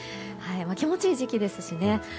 気持ちいい時期ですしね。